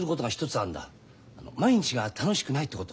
あの毎日が楽しくないってこと。